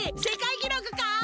世界記録か！？